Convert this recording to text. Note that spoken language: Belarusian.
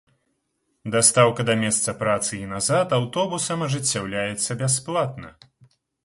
Дастаўка да месца працы і назад аўтобусам ажыццяўляецца бясплатна.